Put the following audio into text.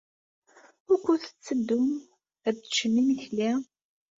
Wukud tetteddum ad teččem imekli?